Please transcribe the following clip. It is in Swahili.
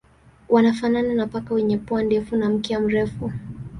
Wanafanana na paka wenye pua ndefu na mkia mrefu.